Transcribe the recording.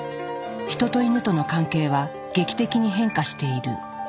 ヒトとイヌとの関係は劇的に変化している。